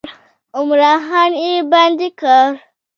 عمرا خان یې بندي کړ.